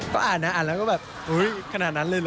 ก็อ่านนะอ่านแล้วก็แบบอุ๊ยขนาดนั้นเลยเหรอ